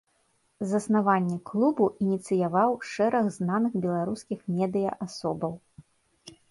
Заснаванне клубу ініцыяваў шэраг знаных беларускіх медыя-асобаў.